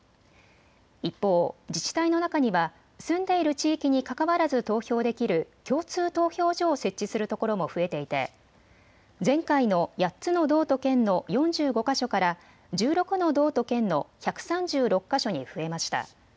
一方、自治体の中には住んでいる地域にかかわらず投票できる共通投票所を設置するところも増えていて前回の８つの道と県の４５か所から１６の道と県の１３６か所に増えました。